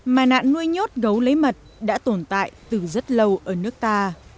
mà nạn nuôi nhốt gấu lấy mật đã tồn tại từ rất lâu ở nước ta